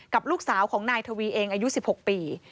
กับลูกสาวของนายทวีเองอายุ๑๖ปี